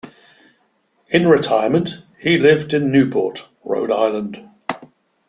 In retirement he lived in Newport, Rhode Island.